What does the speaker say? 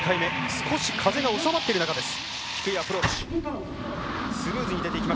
少し風が収まっている中です。